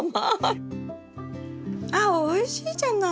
あっおいしいじゃない。